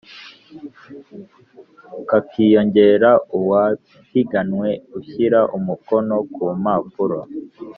Kakiyongera uwapiganwe ushyira umukono ku mpapuro